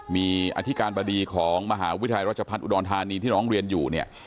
มีอธิการบดีของมหาวิทยาลัยราชพัฒน์อุดรธานีที่น้องเรียนอยู่เนี่ย